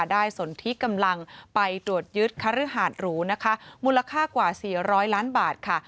สนทิกำลังไปตรวจยึดคฤหาดหรูนะคะมูลค่ากว่า๔๐๐ล้านบาทค่ะ